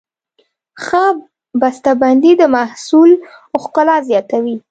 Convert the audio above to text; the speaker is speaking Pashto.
ښه بسته بندي د محصول ښکلا زیاتوي.